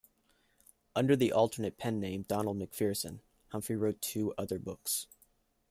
Under the alternate pen name Donald MacPherson, Humphrey wrote two other books.